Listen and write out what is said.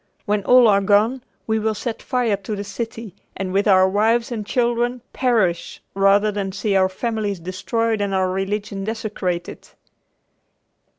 When all are gone we will set fire to the city and with our wives and children perish rather than see our families destroyed and our religion desecrated."